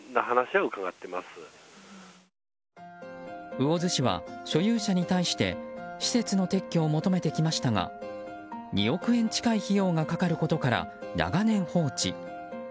魚津市は、所有者に対して施設の撤去を求めてきましたが２億円近い費用がかかることから長年、放置。